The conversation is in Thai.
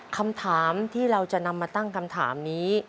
คำถามที่เราจะนำมาตั้งคำถามนี้